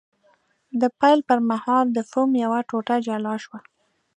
د پیل پر مهال د فوم یوه ټوټه جلا شوه.